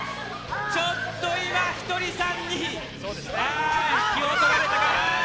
ちょっと今、ひとりさんに気を取られたか。